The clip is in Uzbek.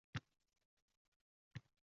Bu maqommi? Balki